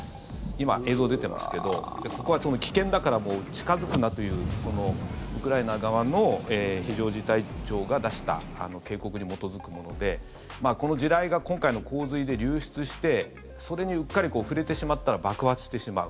今、映像出てますけどここは危険だからもう近付くなというウクライナ側の非常事態庁が出した警告に基づくものでこの地雷が今回の洪水で流出してそれにうっかり触れてしまったら爆発してしまう。